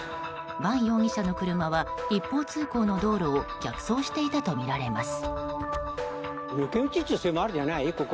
伴容疑者の車は一方通行の道路を逆走していたとみられます。